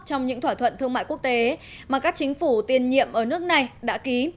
trong những thỏa thuận thương mại quốc tế mà các chính phủ tiền nhiệm ở nước này đã ký